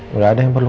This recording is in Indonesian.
enggak ada yang perlu